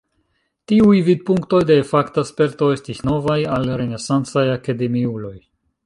Tiuj vidpunktoj de fakta sperto estis novaj al renesancaj akademiuloj.